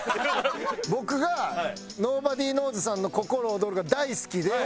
僕がｎｏｂｏｄｙｋｎｏｗｓ＋さんの『ココロオドル』が大好きで。